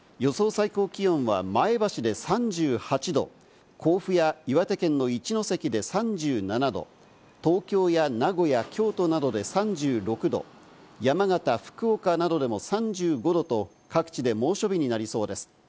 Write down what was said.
最高気温は前橋で３８度、甲府や岩手県の一関で３７度、東京や名古屋、京都などで３６度、山形、福岡などでも３５度と、各地で猛暑日になりそうです。